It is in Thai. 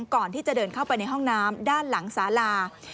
ก่อนที่จะเดินเข้าไปในห้องน้ำด้านหลังสาลา